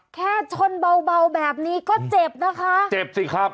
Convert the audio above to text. แค่ชนเบาแบบนี้ก็เจ็บนะคะเจ็บสิครับ